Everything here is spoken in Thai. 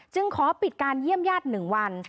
ขอปิดการเยี่ยมญาติ๑วัน